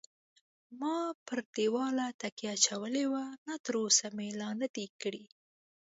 ما پر دېواله تکیه اچولې وه، نه تراوسه مې لا نه دی کړی.